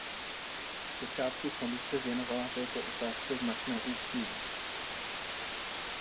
Zpočátku Komise věnovala této otázce značné úsilí.